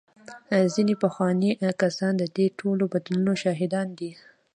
ځینې پخواني کسان د دې ټولو بدلونونو شاهدان دي.